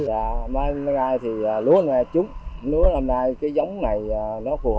năm nay thì lúa này trúng lúa năm nay cái giống này nó phù hợp với đất toa đen